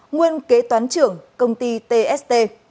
nguyên kế toán trưởng công ty tst